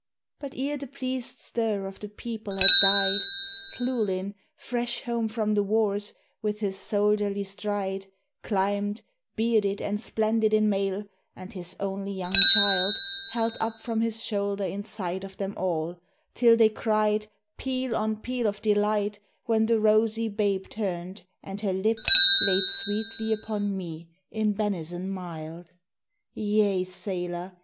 But ere the pleased stir of the people had died, Llewellyn, fresh home from the wars, with his soldierly stride Climbed, bearded and splendid in mail, and his only young child Held up from his shoulder in sight of them all; till they cried Peal on peal of delight when the rosy babe turned, and her lip Laid sweetly upon me in benison mild. Yea, sailor!